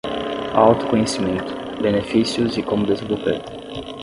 Autoconhecimento: benefícios e como desenvolver